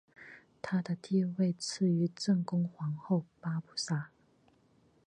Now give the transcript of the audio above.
她的地位次于正宫皇后八不沙。